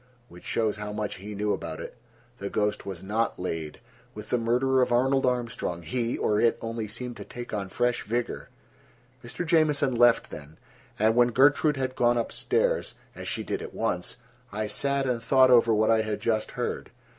Which shows how much he knew about it. The ghost was not laid: with the murder of Arnold Armstrong he, or it, only seemed to take on fresh vigor. Mr. Jamieson left then, and when Gertrude had gone up stairs, as she did at once, I sat and thought over what I had just heard.